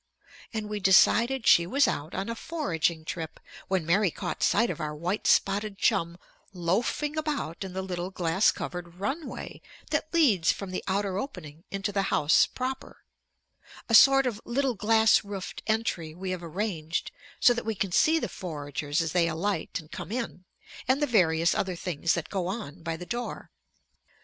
And we decided she was out on a foraging trip, when Mary caught sight of our white spotted chum loafing about in the little glass covered runway that leads from the outer opening into the house proper, a sort of little glass roofed entry we have arranged so that we can see the foragers as they alight and come in, and the various other things that go on by the door.